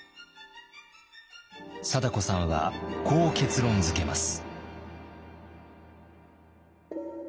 貞子さんはこう結論づけます。